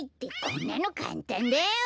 こんなのかんたんだよ！